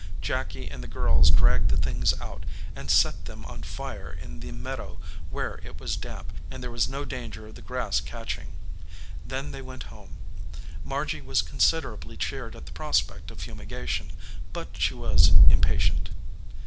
Jacky and the girls dragged the things out, and set them on fire in the meadow where it was damp and there was no danger of the grass catching. Then they went home. Margy was considerably cheered at the prospect of fumigation, but she was impatient.